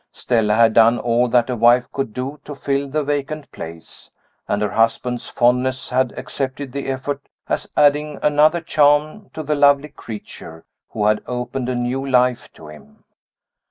Stella had done all that a wife could do to fill the vacant place; and her husband's fondness had accepted the effort as adding another charm to the lovely creature who had opened a new life to him.